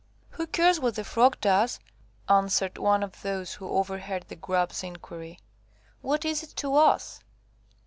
"Who cares what the Frog does?" answered one of those who overheard the Grub's inquiry; "what is it to us?"